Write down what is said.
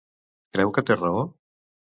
Creu que té raó?